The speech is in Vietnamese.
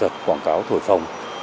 hoạt động quảng cáo thổi phồng